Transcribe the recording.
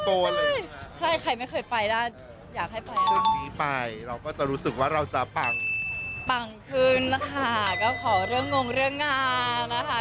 เขาเข้าจริงรับสีเลย้นอ